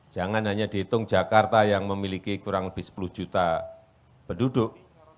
jangan hanya dihitung jakarta yang memiliki kurang lebih sepuluh juta penduduk